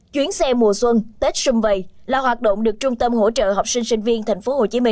chuyến xe mùa xuân tết xung vầy là hoạt động được trung tâm hỗ trợ học sinh sinh viên tp hcm